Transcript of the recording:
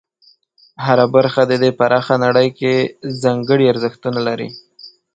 هره برخه د دې پراخه نړۍ کې ځانګړي ارزښتونه لري.